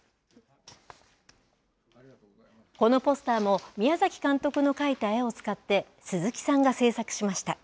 このポスターも宮崎監督の描いた絵を使って鈴木さんが制作しました。